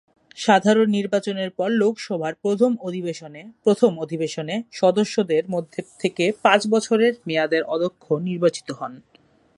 সাধারণ নির্বাচনের পর লোকসভার প্রথম অধিবেশনে সদস্যদের মধ্যে থেকে পাঁচ বছরের মেয়াদের অধ্যক্ষ নির্বাচিত হন।